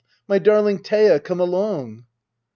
My darling Thea, — come along !